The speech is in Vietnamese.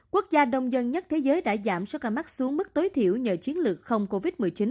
quốc gia đông dân nhất thế giới đã giảm sokarmak xuống mức tối thiểu nhờ chiến lược không covid một mươi chín